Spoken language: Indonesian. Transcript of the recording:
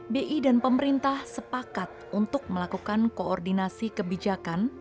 bi dan pemerintah sepakat untuk melakukan koordinasi kebijakan